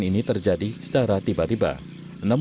nggak jelas ya